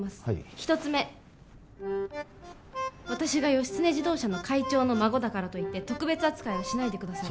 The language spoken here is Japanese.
１つ目私がヨシツネ自動車の会長の孫だからといって特別扱いはしないでください